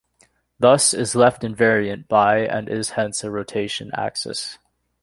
Thus, is left invariant by and is hence a rotation axis.